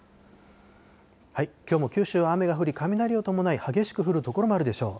きょうも九州は雨が降り、雷を伴い、激しく降る所もあるでしょう。